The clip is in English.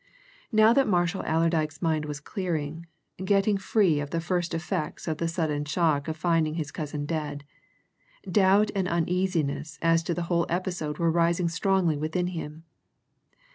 Now that Marshall Allerdyke's mind was clearing, getting free of the first effects of the sudden shock of finding his cousin dead, doubt and uneasiness as to the whole episode were rising strongly within him.